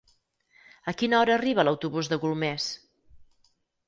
A quina hora arriba l'autobús de Golmés?